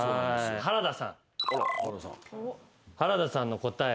原田さんの答え